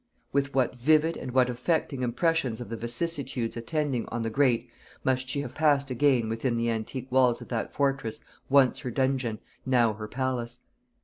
With what vivid and what affecting impressions of the vicissitudes attending on the great must she have passed again within the antique walls of that fortress once her dungeon, now her palace!